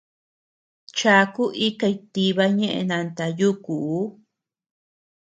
Chaku ikay tiba ñeʼe nanta yúkuu.